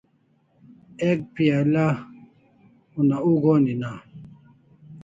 Ek piala una uk oni na